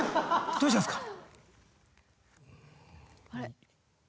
どうしたんですか？